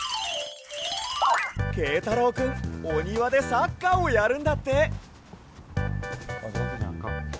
けいたろうくんおにわでサッカーをやるんだって。